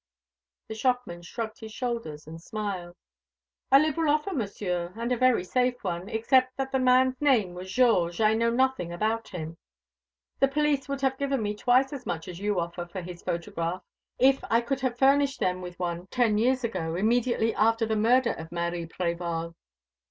The shopman shrugged his shoulders and smiled. "A liberal offer, Monsieur, and a very safe one. Except that the man's name was Georges, I know nothing about him. The police would have given me twice as much as you offer, for his photograph, if I could have furnished them with one ten years ago, immediately after the murder of Marie Prévol."